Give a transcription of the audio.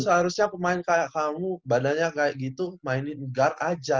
seharusnya pemain kayak kamu badannya kayak gitu mainnya guard aja